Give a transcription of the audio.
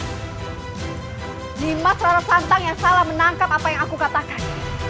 dimas rana santang yang salah menangkap apa yang aku katakan